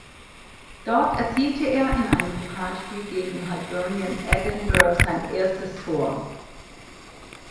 Dort erzielte er in einem Pokalspiel gegen Hibernian Edinburgh sein erstes Tor.